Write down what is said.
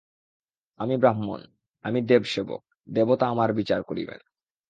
আমি ব্রাহ্মণ, আমি দেবসেবক, দেবতা আমার বিচার করিবেন।